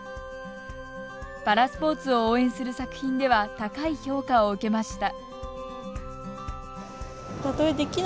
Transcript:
パラスポーツを応援する作品では高い評価を受けました。